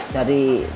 dari panah kota